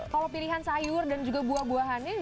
kalau pilihan sayur dan juga buah buahannya